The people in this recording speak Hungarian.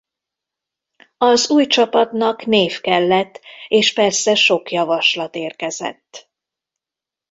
Az új csapatnak név kellett és persze sok javaslat érkezett.